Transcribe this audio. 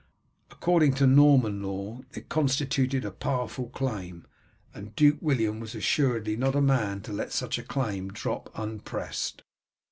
According to Norman law it constituted a powerful claim, and Duke William was assuredly not a man to let such a claim drop unpressed.